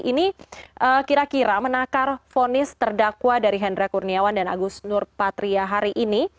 ini kira kira menakar fonis terdakwa dari hendra kurniawan dan agus nur patria hari ini